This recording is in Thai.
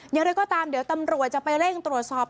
อย่างไรก็ตามเดี๋ยวตำรวจจะไปเร่งตรวจสอบ